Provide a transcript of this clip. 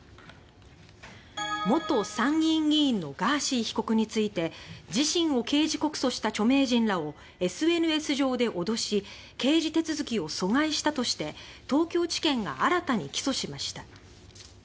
元参議院議員のガーシー被告について自身を刑事告訴した著名人らをＳＮＳ上で脅し刑事手続きを阻害したとして東京地検が新たに起訴しました。